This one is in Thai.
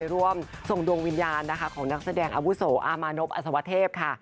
ไปร่วมส่งดวงวิญญาณของนักแสดงอาวุโสอามานพอสวทธิพย์ค่ะ